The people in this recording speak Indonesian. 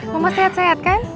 mama sehat sehat kan